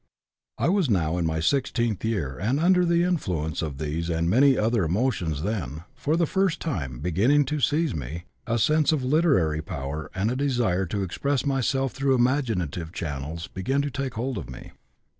"I was now in my sixteenth year, and under the influence of these and many other emotions then, for the first time, beginning to seize me, a sense of literary power and a desire to express myself through imaginative channels began to take hold of me.